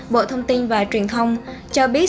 bộ thông tin và truyền thông cho biết